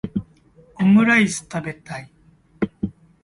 オムライス食べたい